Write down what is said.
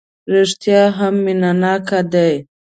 رېښتیا هم مینه ناک دی.